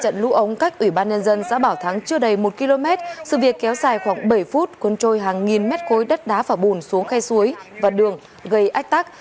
trận lũ ống cách ủy ban nhân dân xã bảo thắng chưa đầy một km sự việc kéo dài khoảng bảy phút cuốn trôi hàng nghìn mét khối đất đá phả bùn xuống khe suối và đường gây ách tắc